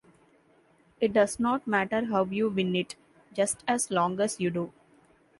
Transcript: It does not matter how you win it, just as long as you do.